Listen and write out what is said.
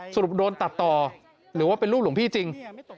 สรุปโดนตัดต่อหรือว่าเป็นลูกหลวงพี่จริง